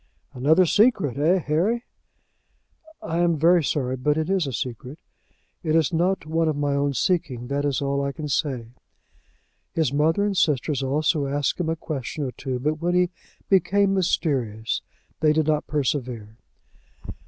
"Another secret; eh, Harry?" "I am very sorry, but it is a secret. It is not one of my own seeking; that is all I can say." His mother and sisters also asked him a question or two; but when he became mysterious, they did not persevere.